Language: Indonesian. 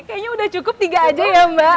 kayaknya udah cukup tiga aja ya mbak